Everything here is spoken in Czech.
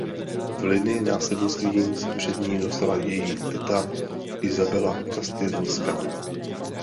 V linii následnictví se před ní dostala její teta Isabela Kastilská.